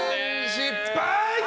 失敗！